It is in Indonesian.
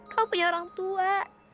kau punya orang tua